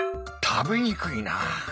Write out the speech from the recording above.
食べにくいなあ。